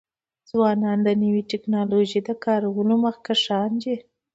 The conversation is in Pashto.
ځوانان د نوې ټکنالوژۍ د کارولو مخکښان دي.